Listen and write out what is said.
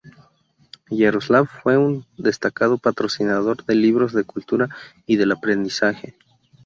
Yaroslav fue un destacado patrocinador de libros de cultura y del aprendizaje.